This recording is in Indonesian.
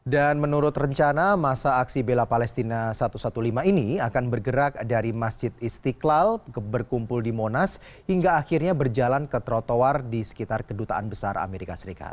dan menurut rencana masa aksi bela palestina satu ratus lima belas ini akan bergerak dari masjid istiqlal berkumpul di monas hingga akhirnya berjalan ke trotoar di sekitar kedutaan besar amerika serikat